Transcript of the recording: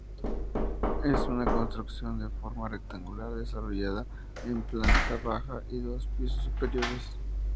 Es una construcción de forma rectangular desarrollada en planta baja y dos pisos superiores.